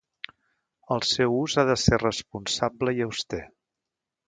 El seu ús ha de ser responsable i auster.